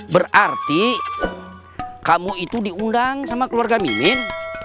berarti kamu itu diundang sama keluarga mimin